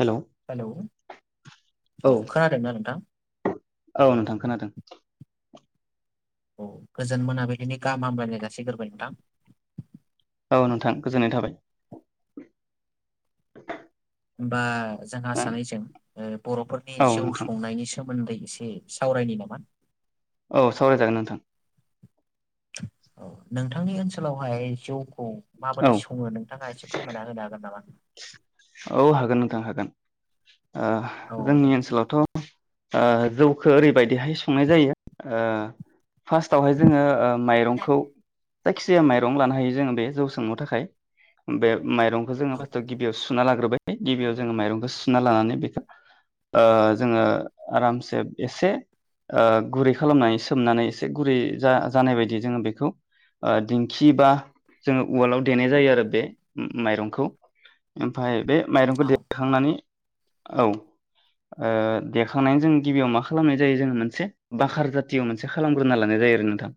Hello hello औ खोनादोंना नोंथां औ नोंथां खोनादों गोजोन मोनाबिलिनि गाहामामलायनाय जासिग्रोबाय नोंथां। औ नोंथां गोजोननाय थाबाय। होमबा जोंहा सानैजों बर'फोरनि औ जौ नोंथां संनायनि सोमोन्दै एसे सावरायनि नामा?? औ सावरायजागोन नोंथां। औ नोंथांनि ओनसोलावहाय जौखौ औ माबोरै सङो नोंथाङा एसे फोरमायना होनो हागोन नामा? औ हागोन नोंथां हागोन। ओ औ जोंनि दे ओनसोलावथ' ओ जौखौ ओरैबायदिहाय संनाय जायो। फार्स्टावहाय जोङो ओ माइरंखौ जायखि जाया माइरं लानो हायो जोङो बे जौ सोंनो थाखाय बे माइरंखौ जोङो औ गिबियाव सुना लाग्रोबाय गिबियाव जोङो माइरंखौ सुना लानानै बेखौ जोङो आरामसे एसे गुरै खालामनानै सोमनानै एसे गुरै जानाय बायदि जोङो बेखौ दिंखि बा जोङो उवालाव देनाय जायो आरो बे माइरंखौ। ओमफाय माइरंखौ औ देखांनानै औ ओ देखांनानै जों गिबियाव मा खालामनाय जायो जोङो मोनसे बाखार जातयाव मोनसे खालामग्रोना लानाय जायो आरो नोंथां।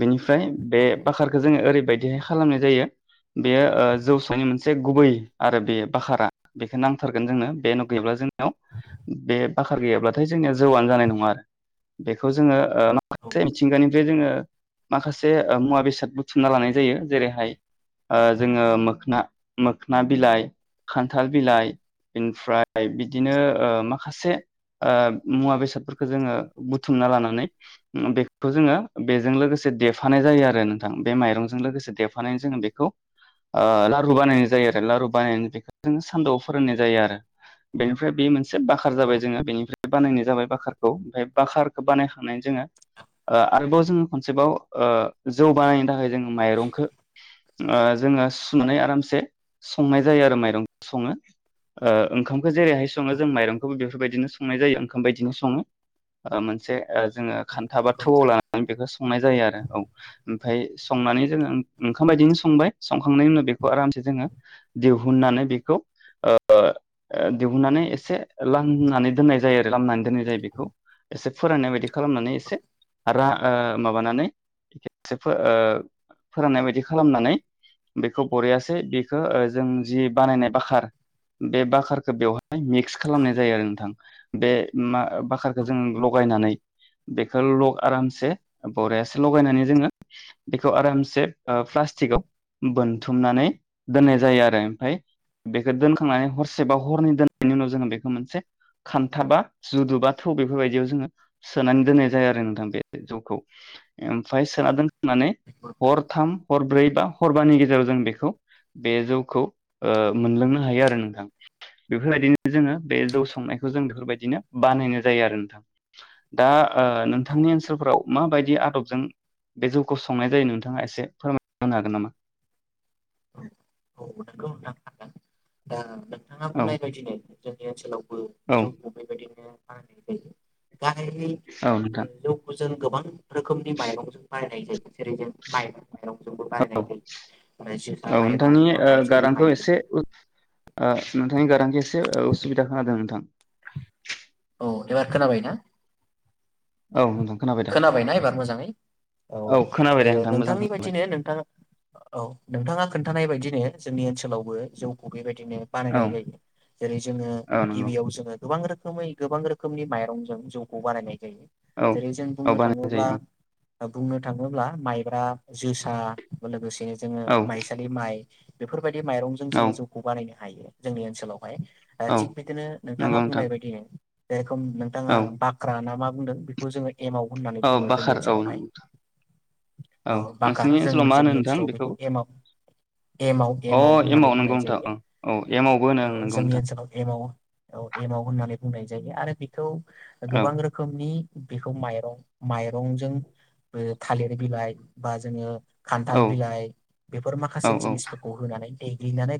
बेनिफ्राय बे औ बाखारखौ जोङो ओरै बायदि खालामनाय जायो बेयो जौ सं मोन मोनसे गुबै आरो बे बाखारा बेखौ नांथारगोन जोंनो बेनो गैयाबा जोंनियाव बे बाखार गैयाब्लाथाय जोंनियाव जौआनो जानाय नङा आरो बेखौ जोङो ओ औ माखासे मिथिंगानि बे जोङो माखासे मुवा बेसाद बुथुमना लानाय जायो जेरैहाय ओ जोङो मोखना मोखोन बिलाइ खान्थाल बिलाइ मफ्राय बिदिनो माखासे मुवा बेसादफोरखौ जोङो बुथुमना लानानै बेखौ जोङो बेजों लोगोसे देफानाय जायो आरो नोंथां बे माइरंजों लोगोसे देफानानै जोङो बेखौ लारु बानायनाय जायो आरो लारु बानायनाय सान्दुआव फोरोंनाय जायो आरो बेनिफ्राय बे मोनसे एसे बाखार औ जाबाय जोङो बेनिफ्राय बानायनाय जाबाय बाखारखौ ओमफ्राय बाखारखौ बानायखांनानै जोङो ओ आरोबाव जोङो खनसेबाव जौ बानायनो थाखाय जों माइरंखौ ओ जोङो सुनानै आरामसे संनाय जायो आरो माइरंखौ ओ सङो ओंखामखौ जेरैहाय सङो औ जों माइरंखौबो बेफोरबायदिनो संनाय जायो ओंखाम बायदिनो सङो ओ मोनसे जो खान्था बा नंगौ थौाव नोंथां लानानै बेखौ संनाय जायो आरो औ ओमफ्राय संनानै जोङो ओंखाम बायदिनो संबाय संखांनायनि उनाव बे आरामसे जोङो दिहुननानै बेखौ दिहुननानै एसे लामनानै दोननाय जायो आरो लामनानै दोननाय जायो बेखौ एसे फोररायनाय बायदि खालामनानै एसे रा माबानानै एसे फोराननाय बायदि खालामनानै बेखौ लरियासै बेखौ जों जि बानायनाय बाखार बे बाखारखौ बेवहाय मिक्स औ खालामनाय जायो आरो नोंथां। दे मा बाखारखौ औ जों लगायनानै बेखौ ल' आरामसे बरयासे लगायनानै जोङो बेखौ आरामसे प्लास्टिकआव बोन बुथुमनानै दोननाय जायो आरो ओफाय बेखौ दोनखांनानै हसे बा हनै दोनायनि उनाव जो बे मोनसे खान्था बा जुदुबा थौ बेफोरबायदियाव जोङो सोनानै दोननाय जायो आरो नोंथां बे जौखौ ओमफाय औ सोना माने नंगौ नोंथां हरथाम हरब्रै बा हरबानि गेजेराव जों बेखौ बे जौखौ ओ मोनलोंनो हायो आरो नोंथां बेफोरबायदिनो जोङो बे जौ संनायखौ जों बेफोरबायदिनो बानायनाय जायो आरो नोंथां। दा ओ औ नोंथांनि ओनसोलफोराव माबायदि आदबजों बे जौखौ संनाय जायो नोंथाङा एसे फोरमायनो हागोन नामा? औ [unintelligible] नोंथां दा नोंथाङा औ बुंनाय बायदिनो जोंनि ओनसो औ औ जौखौ बे बादिनो आ गाहायै औ नोंथां जौखौ जों गोबां रोखोमनि माइरंजों बानायायनाय जायो जेरै जों औ माइ [unintelligible] औ नोंथांनि ओ गारांखौ एसे ओ नोंथांनि गारांखौ एसे उसुबिदा खोनादों नोंथां। औ एबार खोनाबायना? औ नोंथां खोनाबाय दे खोनाबायना एबार मोजाङै औ खोनाबाय ओ दे नोंथां मोजां नोंथांनि खोनाबाय बायदिनो नोंथाङा औ। नोंथाङा खोन्थानाय बायदिनो जोंनि ओनसोलावबो जौखौ बेबाय दिनो औ बानायनाय जायो जेरै जोङो औ नंगौ गिबियाव जोङो गोबां रो सबाय। गोबां रोखोमनि माइरंजों जौखौ बानायनाय औ जेरै जों औ बुंनो बानायनाय थाङोब्ला जायो बुंनो थाङोब्ला माइब्रा जोसा लोगोसे बिदिनो जोङो औ माइसालि माइ बेफोर फोरबायदि माइरंजों औ जों जौखो बानायनो हायो जोंनि ओनसोलाव औ थिग बिदिनो नोंथाङा नंगौ नोंथां बुंनाय बायदि [inaudible] नोंथाङा औ बाख्रा ना मा बुंदों बेखौ जोङो एमाव होननानै औ बुङो जोंनि बाखार औ ओनसोलावहाय औ बाकार नोंसिनि जों ओनसोलाव मा होनो जोंनि नोंथां ओनसोलाव बेखौ एम आव एमाव अ एमाव होननानै नंगौ बुंनाय नोंथां जायो औ औ एमावबो होनो ओं औ नंगौ जोंनि नोंथां ओनसोलाव एमाव औ एमाव होननानै बुंनाय जायो आरो बेखौ औ गोबां रोखोमनि बेखौ माइरं माइरंजों बे थालिर बिलाइ बा जोङो औ खान्थाल बिलाइ बेफोर औ माखासे औ जिनिसफोरखौ होनानै देग्लिनानै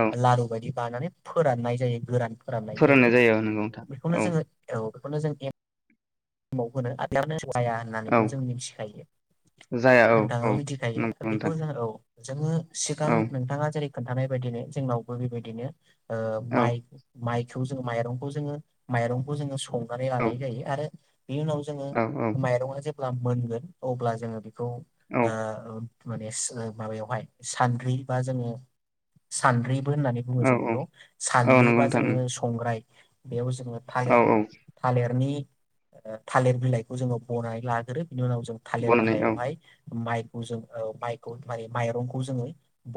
औ लारु बदि लानानै फोराननाय जायो गोरान फोरानाय जायो ओ नोंगौ। बेखौनो जोङो औ बेखौनो जों ए माव होनो जाया औ होननानैबो जों मिथिखायो जाया औ औ नोंथाङाबो मिथिखायो नंगौ नोंथां बेखौ जों औ जोङो सिगां औ नोंथाङा जेरै खोनथानाय बायदिनो जोंनावबो बेबायदिनो ओ औ माइ माइक जो माइरंखौ जोङो माइंखौ जोङो सो नानै औ लानाय जायो आरो। बिनि उनाव जोङो औ माइरङा जे ब्ला मोनगोन अब्ला जोङो। खौ औ माने माबायावहाय सानद्रि बा जोङो सानद्रि होननानै बुङो औ जों नगखौ औ नंगौ सान्द्रिबा नोंथां जोङो संग्राय बेयाव जों औ थालिर औ थालिरनि थालिर बिलाइखौ जोङो बनानै लाग्रो बेनि उनाव जों थालिर बनानै औ बिलाइयावहाय माइ जों माइखौ माने माइरंखौ जोङो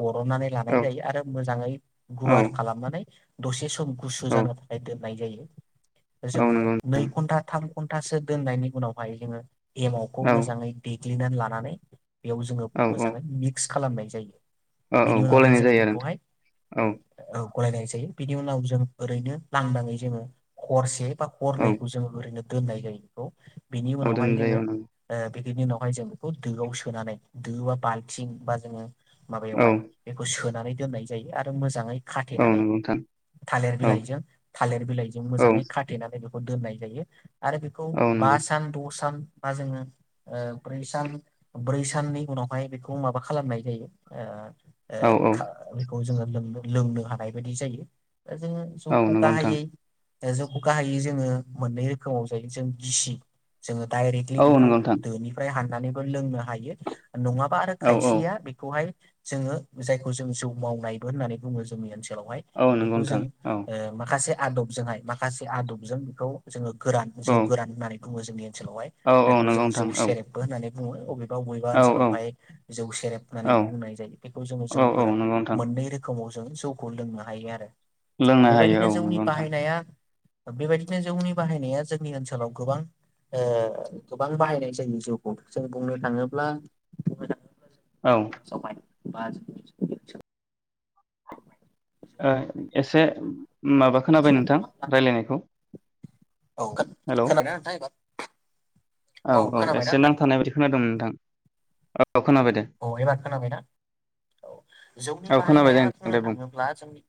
बरननानै लानाय औ जायो आरो मोजाङै औ गुवार खालामनानै दसे सम गुसु औ जानो थाखायदों नाय जायो औ जोङो नंगौ नै घन्टा थाम घन्टासो दोननायनि उनावहाय जोङो एमावखौ औ मोजाङै दे ग्लिनानै लानानै बेयाव जोङो औ मोजाङै मिक्स खालामनाय जायो औ बेनि उनावहाय गलायनाय जोङो जायो आरो नोंथां बेखौहाय औ गलायनाय जायो बिनि उनाव जों ओरैनो लांदाङै जोङो हरसे औ हरनैखौ जों ओरैनो दोननाय जायो बेखौ बेनि औ उनावहाय दोननाय जोङो जायो औ नंगौ ओ बेनि उनावहाय जों बेखौ दोआव सोनानै दो बा बाल्थिं बा जोङो औ माबायावहाय बेखौ सोन नानै दोननाय जायो आरो मोजाङै औ खाथेनानै नंगौ नोंथां थालिर औ बिलाइजों थालिर बिलाइजों औ मोजाङै खाथेनानै बेखौ दोननाय जायो आरो बेखौ औ बा नंगौ सान द सान बा जोङो ओ ब्रै सान ब्रै साननि उनावहाय बेखौ माबा खालामनाय जायो ओ ए औ औ बेखौ जोङो लोंनो हानाय बायदि जायो ओ जोङो औ जौखौ नंगौ नोंथां गाहायै जौखौ गाहायै जोङो मोननै रोखोमाव जायो जों गिसि जोङो डाइरेक्टलि औ बेखौ नंगौ नोंथां दोनिफ्राय हान नानैबो लोंनो हायो। नङाबा आरो औ औ खायसेया बेखौहाय जोङो जायखौ जों जौ मावनायबो होननानै बुङो जोंनि ओनसोल हाय औ नंगौ बेखौ नोंथां जों औ ओ माखासे आदबजोंहाय माखासे आदबजों बेखौ जोङो गोरान जौ औ गोरान होननानै बुङो जोंनि ओनसोलावहाय औ औ जायखौ जों नंगौ जौ नोंथां औ सेरेबबो होननानै बुङो बुङो अबे बा बबेबा औ औ ओनसोलावहाय जौ सेरेब होननानै औ बुंनाय जायो बेखौ जोङो जौ औ औ गोरान नंगौ नोंथां मोननै रोखोमै जौखौ लोंनो हायो आरो लोंनो हायो बेबायदिनो औ जौनि नंगौ नोंथां बाहायनाया थ बे बायदिनो जौनि बाहायनाया जोंनि ओनसोलाव गोबां ओ गोबां बाहायनाय जायोा जों जौखौ जों बुंनो थाङोब्ला औ बाजै [unintelligible] ओ एसे हाबानिफ्राय माबा लानानै खोनाबाय जिउ नोंथां खुंनांगौ रायज्लायनायखौ? औ औ औ खोनाबायना एसे नोंथां नांथानाय बायदि खोनादों मोन नोंथां। औ खोनाबाय दे औ एबार खोनाबायना औ जौनि औ खोनाबाय बाहायनाया दे नोंथां बुंनो दे बुं थाङोब्ला जोंनि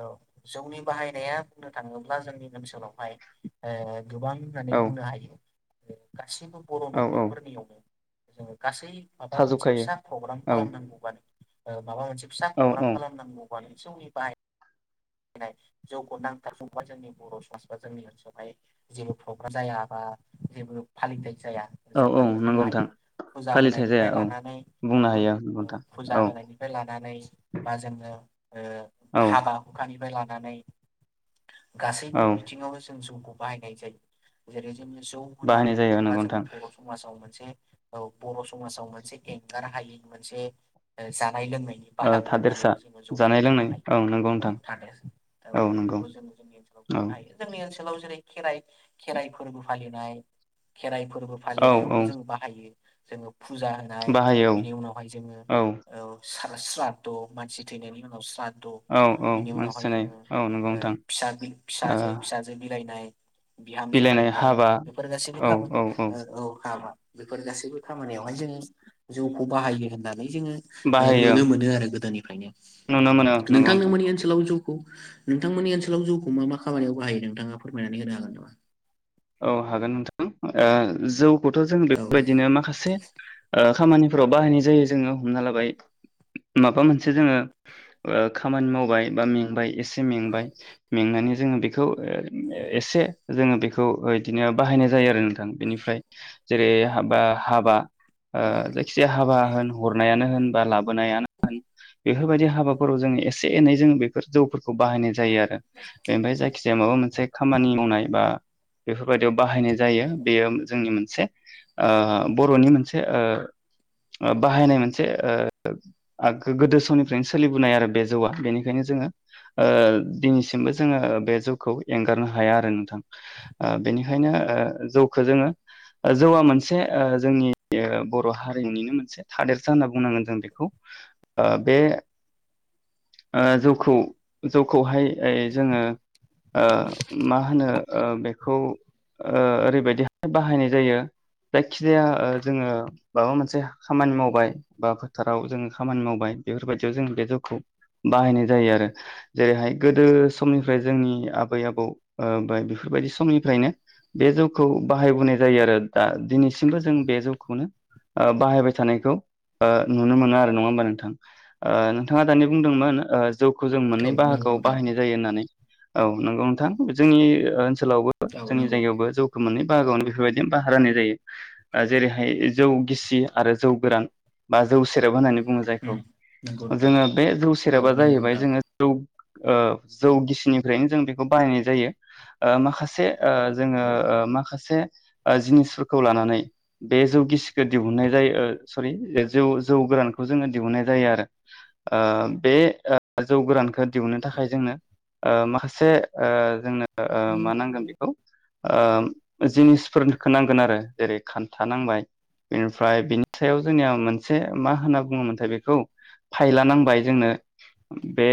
औ जौनि बाहायनाया बुंनो थाङोब्ला जोंनि ओनसोलावहाय ओ। गोबां होननानै औ बुंनो हायो। [unintelligible] गासैबो बर' औ औ न'खरफोरनियाव ज गासै माबा मोनसे थाजोबखायो फिसा प्रग्राम औ खालामनांगौबानो ओ माबा मोनसे फिसा औ प्रग्राम औ खालामनांगौ। जोंनि बाहायनाय। जौखौ नांथार समबा जोंनि बर' समाज बा जोंनि ओनसोलावहाय जेबो प्रग्राम जाया बा जेबो फालिथाय जाया औ औ जोबनानै बुंनो नंगौ नोंथां हायो फुजा फालिथाय जाया होनायनिफ्राय औ लानानै बुंनो हायो नंगौ नोंथां फुजा औ होनायनिफ्राय लानानै बा जोङो ए औ हाबा निफ्राय लानानै औ गासैबो बिथिङावनो जों जौ खौ बाहायनाय जायो जेरै जोङो जौ होन्नानै बाहायनाय जायो बुङोब्ला नंगौ नोंथां जोंङो बर' समाजाव मोन [inaudible] औ बर' समाजाव मोनसे एंगार हायै मोनसे जानाय लोंनायनि ओ बाहागो थादेरसा होननानैबो जोङो जौखौ जों जानाय बुंनो लोंनाय नंगौ हायो। औ नोंथां थानेस ओ औ नंगौ बेखौ जों जोंनि औ ओनसोलावबो गायो जोंनि ओनसोल सोलाव खेराइ खेराइ फोरबो फालिनाय खेराइ फोरबो औ फालिनायावबो औ जों बाहायो [unintelligible] फुजा होनाय बाहायो बिनि उनावहाय जोङो औ स्रा-स्राद्ध' मानसि थैनायनि उनाव स्राद्ध' औ औ बिनि मानसि उनावहाय थैनाय जोङो औ नंगौ ओ नोंथां फिसागि ओ फिसाजो बिलाइनाय बिहामजो बिलाइनाय लायनाय हाबा बेफोर औ गासैबोखामोन औ औ हाबा बेफोर गासैबो खामानियावहाय जों जौखौ बाहायो होननानै जोङो ओ बाहायो नुनो मोनो आरो गोदोनि फ्रायनो नुनो मोनो नंगौ नोंथां नोंथांनोमोननि ओनसोलाव जौ खौ नोंथांमोननि ओनसोलाव जौखौ मा मा खामानियाव बाहायो नोंथाङा फोरमायनानै होनो हागोन नामा औ हागोन नोंथां ओ जौ खौथ' जों औ बेबायदिनो माखासे ओ खामानिफोराव बाहायनाय जायो जोङो हमना लाबाय माबा मोनसे जोङो ओ खामानि मावबाय बा मेंबाय एसे मेंबाय मेंनानै जों बे बेखौ ए-एसे जोङो बे बेखौ इदिनो बाहायनाय जायो आरो नोंथां बेनिफ्राय जेरै हाबा हाबा ओ जायखिजाया हाबा होन हरनायानो होन बा लाबोनायानो होन बेफोरबायदि हाबाफोराव जोङो एसे एनै जों बेफोर जौफोरखौ बाहायनाय जायो आरो बेनिफ्राय जायखिजाया माबा मोनसे खामानि मावनाय बा बेफोरबायदियाव बाहायनाय जायो बेयो जोंनि मोनसे ओ बर'नि मोनसे ओ बाहायनाय मोनसे ओ गोदो समनिफ्रायनो सोलिबोनाय आरो बे जौआ बेनिखायनो जोङो ओ दिनैसिमबो जोङो बे जौखौ एंगारनो हाया आरो नोंथां ओ बेनिखायनो ओ जौखो जोङो ओ जौआ मोनसे ओ जोंनि बर' हारिनिनो मोनसे ओ थादेरसा होनना बुंनांगोन जों बेखौ ओ बे ओ जौखौ जौखौहाय जोङो ओ मा होनो ओ बे खौ ओ ओरैबायदिहाय बाहायनाय जायो जायखिजाया जोङो माबा मोनसे खामानि मावबाय बा फोथाराव जोङो खामानि मावबाय बेफोरबायदियाव जों बे जौखौ बाहायनाय जायो आरो जेरैहाय गोदो समनिफ्राय जोंनि आबै आबौ ओ बे बेफोरबायदि समनिफ्रायनो बे जौखौ बाहायबोनाय जायो आरो दा दिनैसिमबो जों बे जौखौनो बाहायबाय थानायखौ ओ नुनो मोनो आरो नङा होमबा नोंथां नोंथाङा दानि बुंदोंमोन ओ जौखौ जों औ मोननै नंगौ बाहागोआव नोंथां बाहायनाय जायो होननानै औ नंगौ नोंथां जोंनि ओनसोलाव औ जोंनि नंगौ जायगायावबो जौखौ मोननै बाहागोआवनो बेफोरबायदिनो बाहागो राननाय जायो ओ जेरैहाय जौ गिसि आरो जौ गोरान बा जौ सेरेब होननानै बुङो जायखौ उम नंगौ नोंथां जोङो बे जौ औ सेराबा नंगौ जाहैबाय नोंथां जोङो जौ ओ जौ गिसिनिफ्रायनो जों बेखौ बाहायनाय जायो ओ माखासे ओ जोङो औ ओ माखासे ओ जिनिसफोरखौ लानानै बे जौ गिसिखौ दिहुननाय जायो ओ सरि जौ जौ गोरानखौ जोङो दिहुनाय जायो आरो ओ बे ओ जौ गोरानखौ दिहुनो थाखाय जोंनो ओ माखासे ओ जोंनो ओ मा नांगोन ओ जिनिसफोरखौ नांगोन आरो जेरै खान्था नांबाय बेनिफ्राय बिनि सायाव जोंनिया मोनसे मा होनना बुङोमोनथाय बेखौ फायला नांबाय जोंनो बे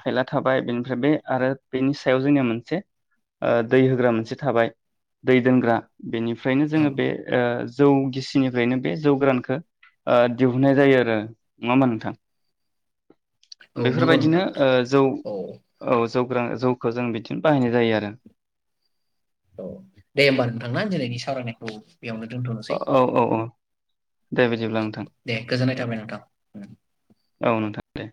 फाइला थाबाय बेनिफ्राय बे आरो बेनि सायाव जोंनिया मोनसे ओ दै होग्रा मोनसे थाबाय दै दोनग्रा बेनिफ्रायनो औ जोङो बे ओ जौ गिसिनिफ्रायनो बे जौ गोरानखौ ओ दिहुननाय जायो आरो नङाहोनबा नोंथां औ नंगौ बेफोरबायदिनो नोंथां ओ जौ औ औ जौ गोरान जौ खौ जों बिदिनो बाहायनाय जायो आरो औ दे होमबा नोंथांना दिनैनि सावरायनायखौ बेयावनो दोनथ'नोसै औ औ औ दे बिदिब्ला नोंथां दे गोजोननाय थाबाय नोंथां उम औ नोंथां दे